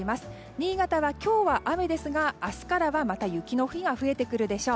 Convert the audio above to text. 新潟は今日は雨ですが明日からは雪の日が増えてくるでしょう。